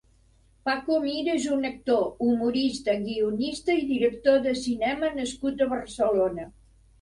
Paco Mir és un actor, humorista, guionista i director de cinema nascut a Barcelona.